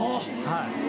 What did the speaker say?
はい。